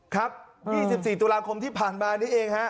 ครับ๒๔ตุลาคมที่ผ่านมานี้เองฮะ